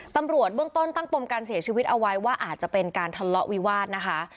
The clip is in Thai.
ตำรวจเบื้องต้นตั้งปมการเสียชีวิตเอาไว้ว่าอาจจะเป็นการทะเลาะวิวาสนะคะ